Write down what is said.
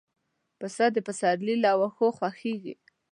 پسه د پسرلي له واښو خوښيږي.